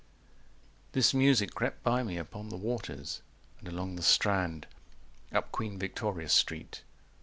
"This music crept by me upon the waters" And along the Strand, up Queen Victoria Street.